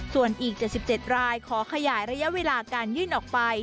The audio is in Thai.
ส่วนอีก๗๗รายขอขยายระยะเวลาการยื่นออกไป